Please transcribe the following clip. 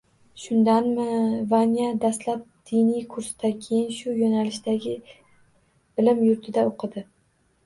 Shundanmi, Vanya dastlab diniy kursda, keyin shu yo‘nalishdagi bilim yurtida o‘qidi